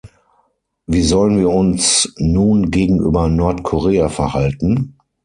Wie sollen wir uns nun gegenüber Nordkorea verhalten?